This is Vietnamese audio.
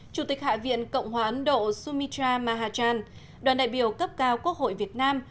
chủ tịch hạ viện cộng hòa ấn độ sumitra mahachan đoàn đại biểu cấp cao quốc hội việt nam